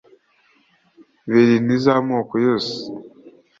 verini z’amako yose